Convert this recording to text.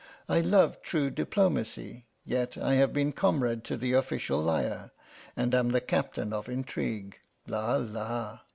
I love true diplomacy, yet I have been comrade to the official liar, and am the captain of intrigue la! la!"